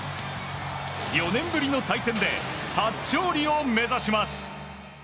４年ぶりの対戦で初勝利を目指します。